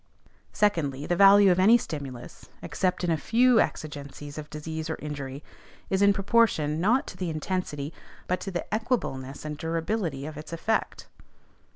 Secondly, the value of any stimulus (except in a few exigencies of disease or injury) is in proportion, not to the intensity, but to the equableness and durability, of its effect.